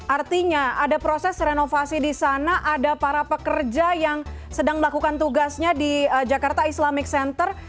artinya ada proses renovasi di sana ada para pekerja yang sedang melakukan tugasnya di jakarta islamic center